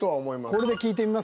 これで聞いてみます？